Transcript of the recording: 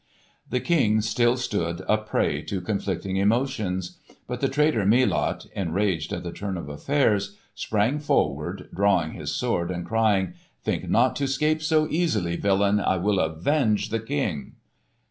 The King still stood a prey to conflicting emotions. But the traitor Melot, enraged at the turn of affairs, sprang forward, drawing his sword and crying, "Think not to scape so easily, villain! I will avenge the King!"